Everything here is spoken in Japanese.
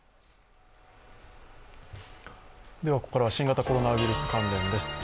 ここからは新型コロナウイルス関連です。